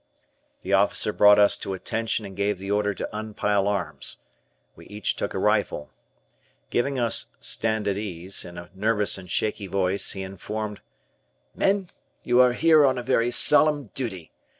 The officer brought us to attention and gave the order to unpile arms. We each took a rifle. Giving us "Stand at ease," in a nervous and shaky voice, he informed: "Men, you are here on a very solemn duty.